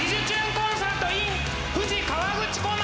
コンサートｉｎ富士河口湖町」！